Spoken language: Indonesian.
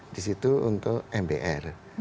di situ untuk mbr